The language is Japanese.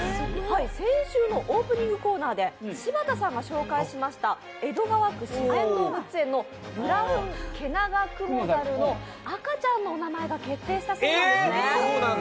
先週のオープニングコーナーで柴田さんが紹介しました江戸川区自然動物園のブラウンケナガクモザルの赤ちゃんのお名前が決定したそうなんですね。